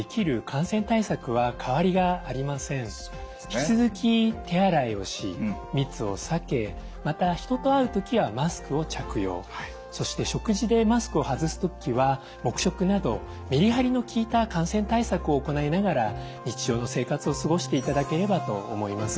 引き続き手洗いをし密を避けまた人と会う時はマスクを着用そして食事でマスクを外す時は黙食などメリハリの効いた感染対策を行いながら日常の生活を過ごしていただければと思います。